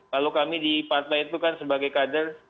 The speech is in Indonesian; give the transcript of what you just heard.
kalau kami di partai itu kan sebagai kader